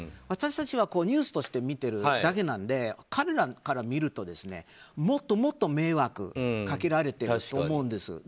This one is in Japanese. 私たちはニュースとして見てるだけなので彼らから見るともっともっと迷惑かけられていると思うんです。